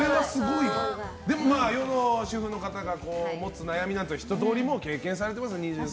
でも、世の主婦の方が持つ悩みは一通り、経験されてますよね。